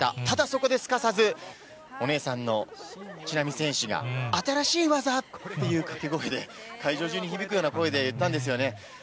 ただそこですかさず、お姉さんの知那美選手が、新しい技っていう掛け声で、会場中に響くような声で言ったんですよね。